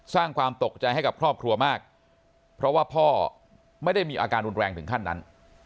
สร้างความตกใจให้กับครอบครัวมากเพราะว่าพ่อไม่ได้มีอาการรุนแรงถึงขั้นนั้น